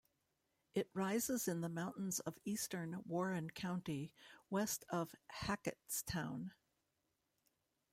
It rises in the mountains of eastern Warren County, west of Hackettstown.